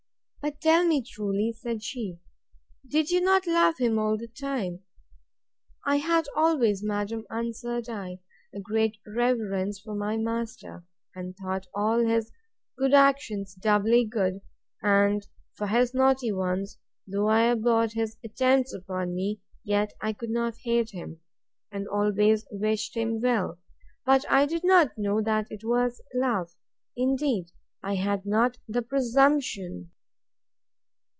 But, tell me truly, said she, did you not love him all the time? I had always, madam, answered I, a great reverence for my master, and thought all his good actions doubly good and for his naughty ones, though I abhorred his attempts upon me, yet I could not hate him; and always wished him well; but I did not know that it was love. Indeed I had not the presumption.